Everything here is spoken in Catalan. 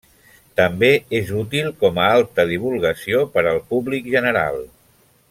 També és útil, com a alta divulgació, per al públic general.